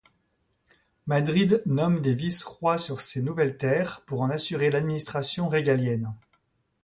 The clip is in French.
Madrid nomme des vice-rois sur ces nouvelles terres pour en assurer l'administration régalienne.